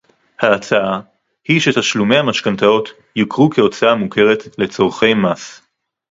ההצעה היא שתשלומי המשכנתאות יוכרו כהוצאה מוכרת לצורכי מס